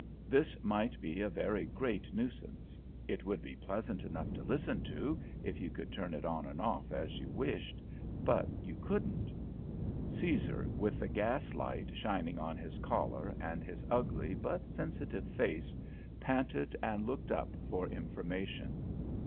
This might be a very great nuisance. It would be pleasant enough to listen to, if you could turn it on and off as you wished; but you couldn't. Caesar, with the gas light shining on his collar and his ugly but sensitive face, panted and looked up for information.